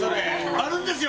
あるんですよ！